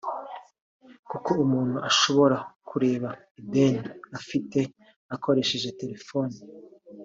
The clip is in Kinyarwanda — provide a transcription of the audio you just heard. kuko umuntu ashobora kureba ideni afite akoresheje telefone